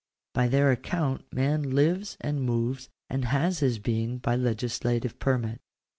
By their account man lives and moves and has his being by legislative permit.